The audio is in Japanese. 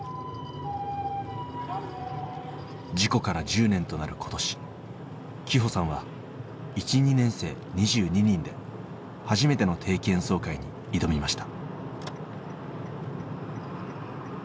事故から１０年となる今年希帆さんは１２年生２２人で初めての定期演奏会に挑みました。